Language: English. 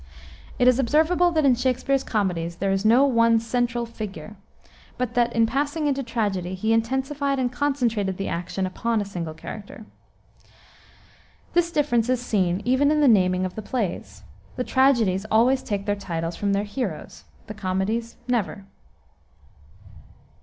It is observable that in Shakspere's comedies there is no one central figure, but that, in passing into tragedy, he intensified and concentrated the attention upon a single character. This difference is seen, even in the naming of the plays; the tragedies always take their titles from their heroes, the comedies never.